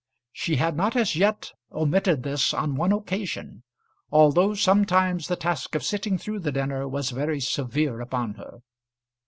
She had not as yet omitted this on one occasion, although sometimes the task of sitting through the dinner was very severe upon her.